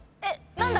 何だ？